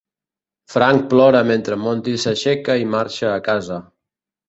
Frank plora mentre Monty s'aixeca i marxa a casa.